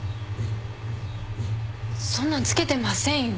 そんなん着けてませんよ。